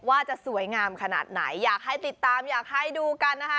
ว่าจะสวยงามขนาดไหนอยากให้ติดตามอยากให้ดูกันนะคะ